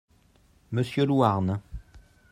Monsieur Louarn.